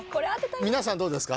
皆さんどうですか？